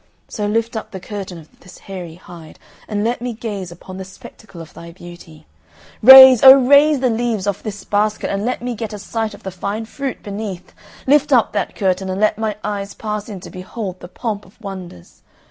So lift up the curtain of this hairy hide, and let me gaze upon the spectacle of thy beauty! Raise, O raise the leaves off this basket, and let me get a sight of the fine fruit beneath! Lift up that curtain, and let my eyes pass in to behold the pomp of wonders!